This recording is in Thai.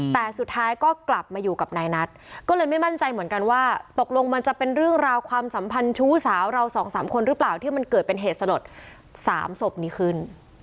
แต่สุดท้ายก็กลับมาอยู่กับนายนัทก็เลยไม่มั่นใจเหมือนกันว่าตกลงมันจะเป็นเรื่องราวความสัมพันธ์ชู้สาวเราสองสามคนหรือเปล่าที่มันเกิดเป็นเหตุสลด๓ศพนี้ขึ้น